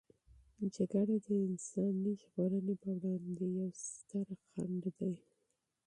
جګړه د انساني ژغورنې په وړاندې یوې سترې خنډ دی.